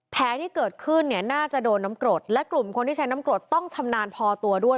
แผลที่เกิดขึ้นเนี่ยน่าจะโดนน้ำกรดและกลุ่มคนที่ใช้น้ำกรดต้องชำนาญพอตัวด้วย